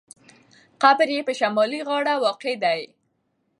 قبر یې په شمالي غاړه واقع دی.